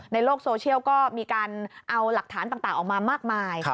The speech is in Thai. ในโลกโซเชียลก็มีการเอาหลักฐานต่างออกมามากมาย